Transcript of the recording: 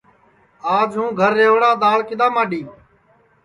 آج ہوں گھر رِوڑا دؔاݪ کِدؔا ماڈؔی